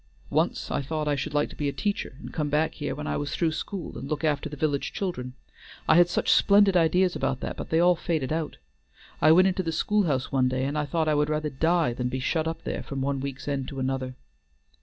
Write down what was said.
Once I thought I should like to be a teacher, and come back here when I was through school and look after the village children. I had such splendid ideas about that, but they all faded out. I went into the school house one day, and I thought I would rather die than be shut up there from one week's end to another."